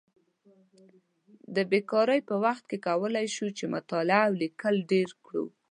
د بیکارۍ پر وخت کولی شو چې مطالعه او لیکل ډېر کړو.